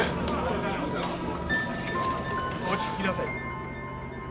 落ち着きなさい。